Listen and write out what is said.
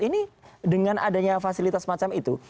ini dengan adanya fasilitas macam itu